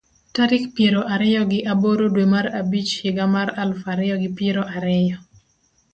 Tarik pier ariyo gi aboro dwe mar abich higa aluf ariyo gi pier ariyo